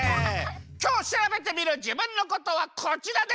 きょうしらべてみるじぶんのことはこちらです！